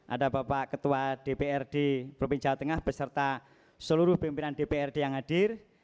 ada bapak ketua dprd provinsi jawa tengah beserta seluruh pimpinan dprd yang hadir